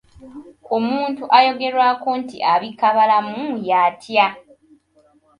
Omuntu ayogerwako nti abika balamu y'atya?